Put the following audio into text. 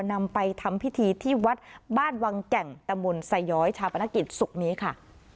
นำไปทำพิธีที่วัดบ้านวังแก่งตะมนต์สย้อยชาปนกิจศุกร์นี้ค่ะ